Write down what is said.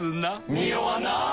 ニオわない！